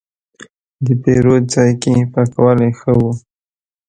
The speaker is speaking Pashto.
د پیرود ځای کې پاکوالی ښه و.